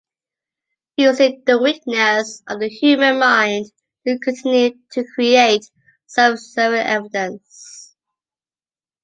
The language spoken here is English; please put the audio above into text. Using the weakness of the human mind, they continue to create self-serving evidence.